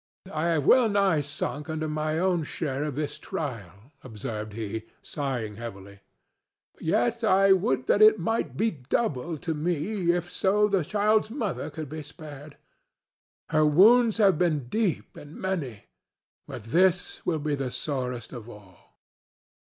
"I have wellnigh sunk under my own share of this trial," observed he, sighing heavily; "yet I would that it might be doubled to me, if so the child's mother could be spared. Her wounds have been deep and many, but this will be the sorest of all."